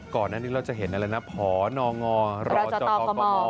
ก่อนอันนี้เราจะเห็นอะไรนะพนงรจกม